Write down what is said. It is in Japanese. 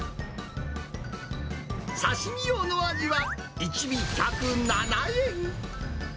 刺身用のアジは１尾１０７円。